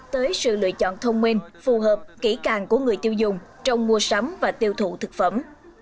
tới sự lựa chọn thông minh phù hợp kỹ càng của người tiêu dùng trong mua sắm và tiêu thụ thực phẩm